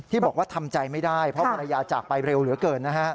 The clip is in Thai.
บอกว่าทำใจไม่ได้เพราะภรรยาจากไปเร็วเหลือเกินนะฮะ